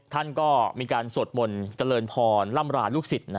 ท่านก็มีการสวดมนต์เจริญพรล่ำราลูกศิษย์